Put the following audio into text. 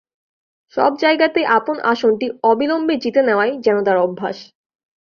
সব জায়গাতেই আপন আসনটি অবিলম্বে জিতে নেওয়াই যেন তাঁর অভ্যাস।